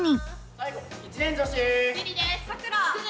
最後１年女子。